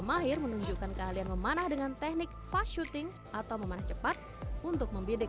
mahir menunjukkan keahlian memanah dengan teknik fast syuting atau memanah cepat untuk membidik